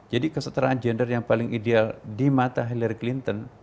jadi kesetaraan gender yang paling ideal di mata hillary clinton